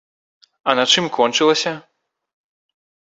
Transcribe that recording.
А на чым кончылася?